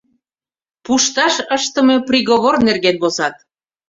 Пушташ ыштыме приговор нерген возат.